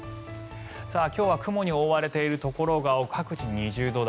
今日は雲に覆われているところが多く各地２０度台。